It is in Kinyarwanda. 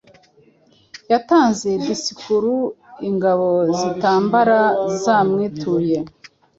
yatanze disikuruingabo zintambara zamwituye